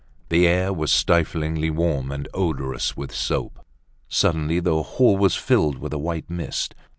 The air was stiflingly warm and odorous with soap. Suddenly the hall was filled with a white mist.